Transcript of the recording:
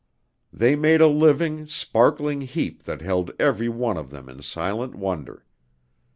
They made a living, sparkling heap that held everyone of them in silent wonder.